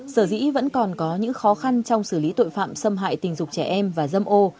sở dĩ vẫn còn có những khó khăn trong xử lý tội phạm xâm hại tình dục trẻ em và dâm ô